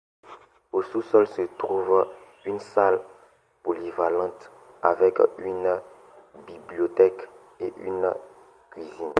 Au sous-sol se trouve une salle polyvalente avec une bibliothèque et une cuisine.